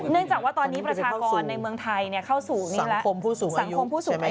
จากว่าตอนนี้ประชากรในเมืองไทยเข้าสู่นี้แล้วสังคมผู้สูงอายุ